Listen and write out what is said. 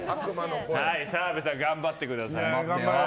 澤部さん頑張ってください。